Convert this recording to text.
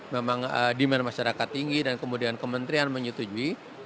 demand masyarakat tinggi dan kemudian kementrian menyetujui